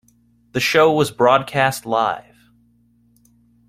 The show was broadcast live.